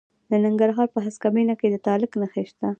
د ننګرهار په هسکه مینه کې د تالک نښې شته.